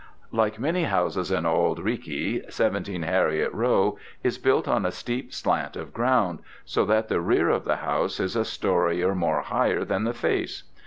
Like many houses in Auld Reekie, 17 Heriot Row is built on a steep slant of ground, so that the rear of the house is a storey or more higher than the face.